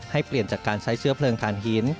ให้เปลี่ยนจากการใช้เชื้อเพลิงฐานหิน